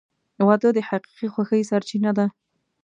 • واده د حقیقي خوښۍ سرچینه ده.